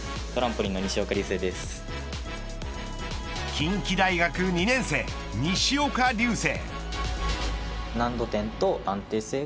近畿大学、２年生西岡隆成。